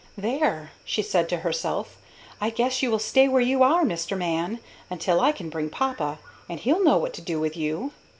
"There," she said to herself; "I guess you will stay where you are, Mister Man, until I can bring papa; and he'll know what to do with you!"